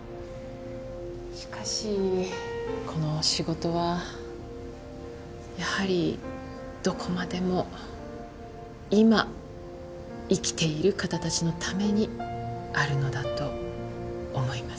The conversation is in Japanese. しかしこの仕事はやはりどこまでも今生きている方たちのためにあるのだと思います。